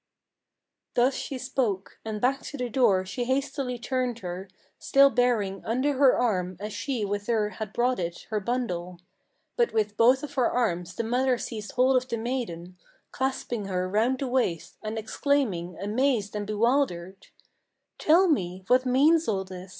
Thus she spoke and back to the door she hastily turned her, Still bearing under her arm, as she with her had brought it, her bundle. But with both of her arms the mother seized hold of the maiden, Clasping her round the waist, and exclaiming, amazed and bewildered: "Tell me, what means all this?